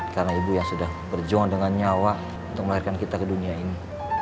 karena ibu yang sudah berjuang dengan nyawa untuk melahirkan kita ke dunia ini